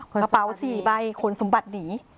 กระเป๋า๔ใบขนสมบัติหนี